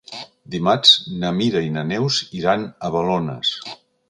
Dimarts na Mira i na Neus iran a Balones.